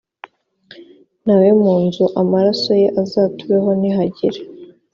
nawe mu nzu amaraso ye azatubeho nihagira